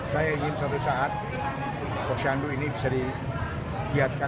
saya ingin suatu saat posiandu ini bisa dikihatkan